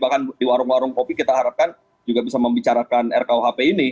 bahkan di warung warung kopi kita harapkan juga bisa membicarakan rkuhp ini